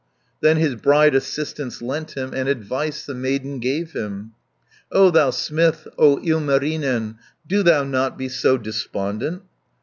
Then his bride assistance lent him, And advice the maiden gave him. "O thou smith, O Ilmarinen, Do thou not be so despondent!